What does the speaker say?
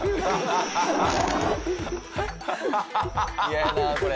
嫌やなこれ。